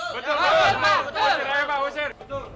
betul pak ustadz